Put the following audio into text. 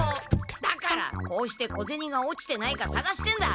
だからこうして小ゼニが落ちてないかさがしてんだ！